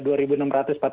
itu pun masih under report